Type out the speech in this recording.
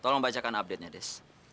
tolong membacakan update nya des